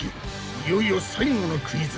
いよいよ最後のクイズ。